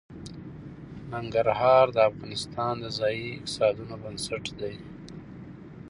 ننګرهار د افغانستان د ځایي اقتصادونو بنسټ دی.